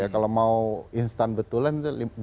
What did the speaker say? kalau mau instan betulan